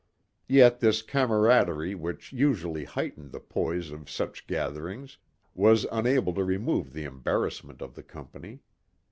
Yet this camaraderie which usually heightened the poise of such gatherings was unable to remove the embarrassment of the company.